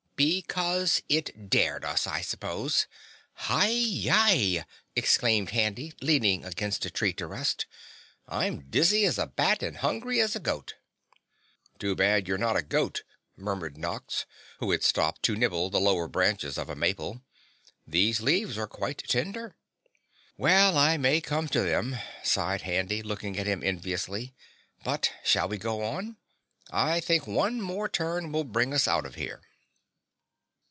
"Because it dared us, I suppose. Hi Yi!" exclaimed Handy, leaning against a tree to rest. "I'm dizzy as a bat and hungry as a goat." "Too bad you're not a goat," murmured Nox, who had stopped to nibble the lower branches of a maple. "These leaves are quite tender." "Well, I may come to them," sighed Handy, looking at him enviously. "But shall we go on? I think one more turn will bring us out of here."